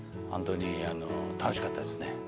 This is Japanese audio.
本当に楽しかったですね。